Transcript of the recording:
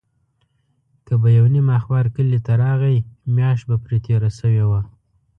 که به یو نیم اخبار کلي ته راغی، میاشت به پرې تېره شوې وه.